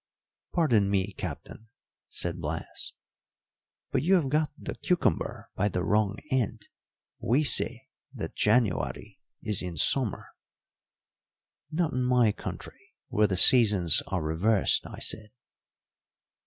"Pardon me, Captain," said Blas, "but you have got the cucumber by the wrong end. We say that January is in summer." "Not in my country, where the seasons are reversed," I said.